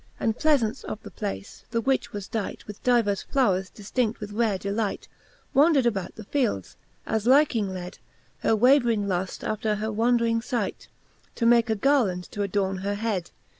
And pleafaunce of the place, the which was dight With divers flowres dif]:in(9: with rare delight, Wandred about the fields, as liking led Her wavering luft after her wandring fight, To make a garland to adorne her hed.